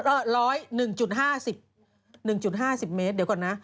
เอ่อร้อย๑๕๐เมตรเดี๋ยวก่อนนะ